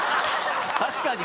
確かに。